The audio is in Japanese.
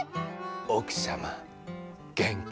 おくさまげんき？